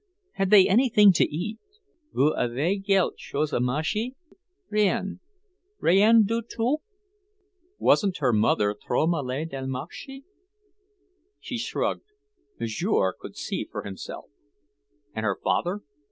Had they anything to eat? "Vous avez quelque chose à manger?" "Rien. Rien du tout." Wasn't her mother "trop malade à marcher?" She shrugged; Monsieur could see for himself. And her father?